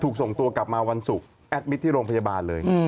ส่งตัวกลับมาวันศุกร์แอดมิตรที่โรงพยาบาลเลย